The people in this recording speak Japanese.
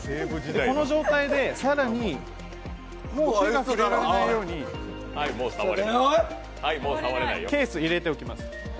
この状態で更に、手が触れられないようにケース入れておきます。